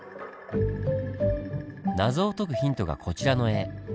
謎を解くヒントがこちらの絵。